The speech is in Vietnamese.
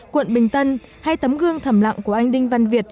quận bình tân hay tấm gương thầm lặng của anh đinh văn việt